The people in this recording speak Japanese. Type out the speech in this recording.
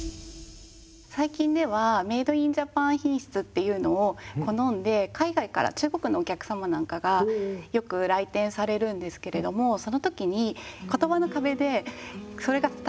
最近ではメイドインジャパン品質っていうのを好んで海外から中国のお客様なんかがよく来店されるんですけれどもその時にっていう時にけっこう心の壁にぶち当たって。